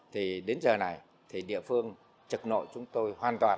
thì đến giờ này thì địa phương trực nội chúng tôi hoàn toàn